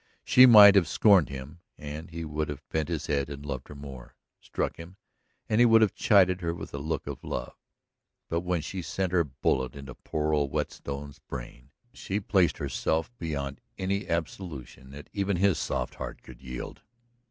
She might have scorned him, and he would have bent his head and loved her more; struck him, and he would have chided her with a look of love. But when she sent her bullet into poor old Whetstone's brain, she placed herself beyond any absolution that even his soft heart could yield.